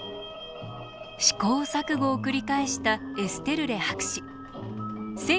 試行錯誤を繰り返したエステルレ博士。